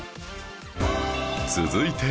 続いて